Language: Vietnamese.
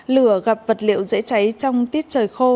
lửa gặp vật liệu dễ cháy trong tiết trời khô